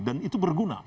dan itu berguna